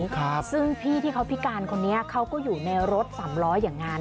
ครับซึ่งพี่ที่เขาพิการคนนี้เขาก็อยู่ในรถสามล้ออย่างนั้น